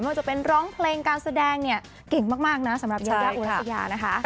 เมื่อจะเป็นร้องเพลงการแสดงเก่งมากนะสำหรับยาวอู๋สยานะคะ